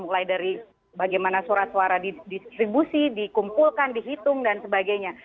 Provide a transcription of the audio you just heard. mulai dari bagaimana surat suara didistribusi dikumpulkan dihitung dan sebagainya